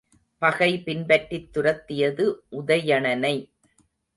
பகை பின்பற்றித் துரத்தியது உதயணனை.